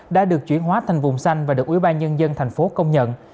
đã được chuyển hóa thành vùng xanh và được ủy ban nhân dân thành phố công nhận